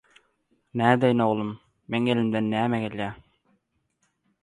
- Nädeýin, oglum? Meň elimden näme gelýär?